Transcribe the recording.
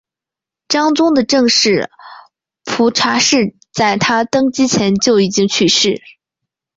章宗的正室蒲察氏在他登基前就已经去世。